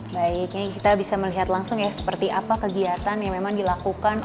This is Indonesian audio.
baik kita bisa melihat langsung seperti apa kegiatan yang dilakukan